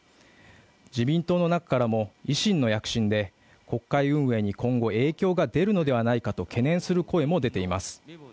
自民党の中からも維新の躍進で国会運営に今後影響が出るのではないかと懸念する声も出ています。